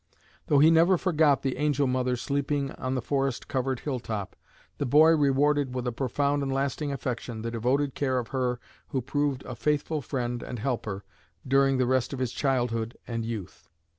Though he never forgot the "angel mother" sleeping on the forest covered hill top, the boy rewarded with a profound and lasting affection the devoted care of her who proved a faithful friend and helper during the rest of his childhood and youth.